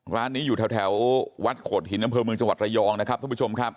ร้านนี้อยู่แถววัดโขดหินอำเภอเมืองจังหวัดระยองนะครับท่านผู้ชมครับ